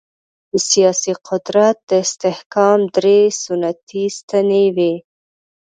د سیاسي قدرت د استحکام درې سنتي ستنې وې.